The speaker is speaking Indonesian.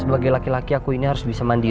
sebagai laki laki aku ini harus bisa mandiri